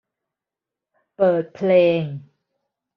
เปิดเพลง